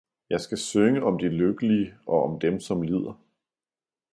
jeg skal synge om de lykkelige, og om dem, som lider!